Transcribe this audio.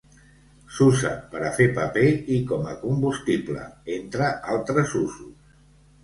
S'usa per a fer paper i com a combustible, entre altres usos.